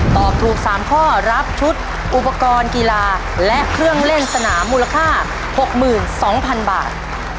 ตอบถูก๓ข้อรับชุดอุปกรณ์กีฬาและเครื่องเล่นสนามมูลค่า๖๒๐๐๐บาท